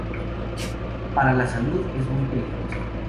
Para la salud es muy peligroso.